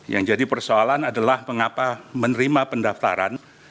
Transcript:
yang jadi persoalan adalah mengapa menerima pendaftaran